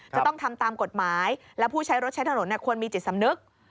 จะต้องทำตามกฎหมายและผู้ใช้รถใช้ถนนควรมีจิตสำนึก